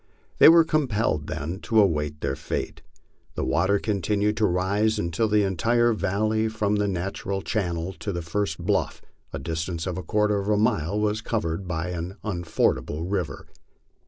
They were compelled then to await their fate. The water continued to rise until the entire valley from the natural channel to the first bluft', a distance of a quarter of a mile, was covered by an unfordable river.